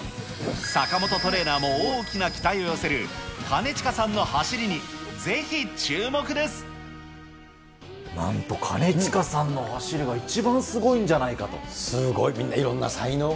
坂本トレーナーも大きな期待を寄せる兼近さんの走りにぜひ注目でなんと、兼近さんの走りが一すごい、そうですね。